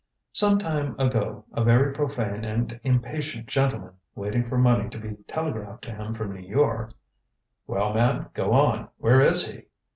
"Some time ago, a very profane and impatient gentleman, waiting for money to be telegraphed to him from New York " "Well, man, go on! Where is he?"